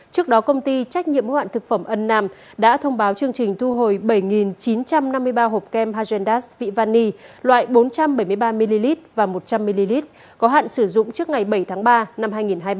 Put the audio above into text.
trước đó công ty trách nhiệm hoạn thực phẩm ân nam đã thông báo chương trình thu hồi bảy chín trăm năm mươi ba hộp kem hajendas vị vani loại bốn trăm bảy mươi ba ml và một trăm linh ml có hạn sử dụng trước ngày bảy tháng ba năm hai nghìn hai mươi ba